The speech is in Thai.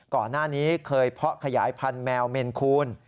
ก่อนหน้านี้เคยเพาะขยายพันธุ์แมวเมนคูณ